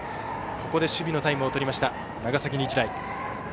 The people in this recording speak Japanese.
ここで守備のタイムを取りました長崎日大。